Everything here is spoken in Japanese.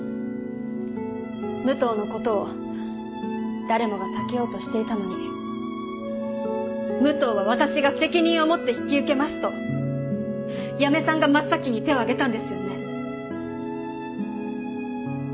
武藤のことを誰もが避けようとしていたのに「武藤は私が責任を持って引き受けます」と八女さんが真っ先に手を挙げたんですよね？